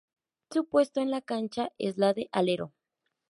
Su puesto en la cancha es la de alero.